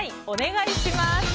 お願いします。